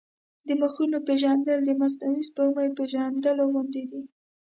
د مخونو پېژندل د مصنوعي سپوږمۍ پېژندل غوندې دي.